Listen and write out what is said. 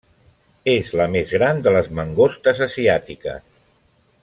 És la més gran de les mangostes asiàtiques.